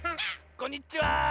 こんにちは！